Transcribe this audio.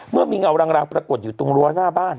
เมื่อมีเงารางปรากฏอยู่ตรงรั้วหน้าบ้าน